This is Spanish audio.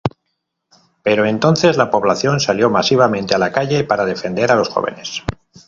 Pero entonces la población salió masivamente a la calle para defender a los jóvenes.